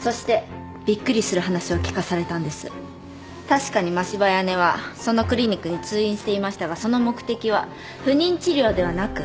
確かに真柴綾音はそのクリニックに通院していましたがその目的は不妊治療ではなく。